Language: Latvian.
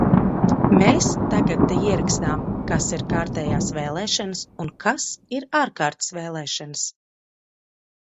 Mēs tagad te ierakstām, kas ir kārtējās vēlēšanas un kas ir ārkārtas vēlēšanas.